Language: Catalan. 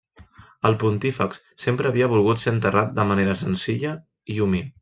El pontífex sempre havia volgut ser enterrat de manera senzilla i humil.